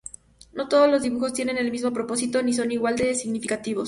No todos los dibujos tienen el mismo propósito, ni son igual de significativos.